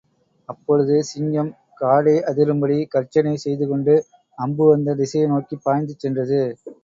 அப்பொழுது சிங்கம், காடே அதிரும்படி கர்ச்சனை செய்துகொண்டு, அம்பு வந்த திசையை நோக்கிப் பாய்ந்து சென்றது.